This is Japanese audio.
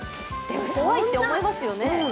怖いって思いますよね。